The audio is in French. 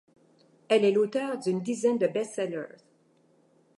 Elle est l'auteur d'une dizaine de best-sellers.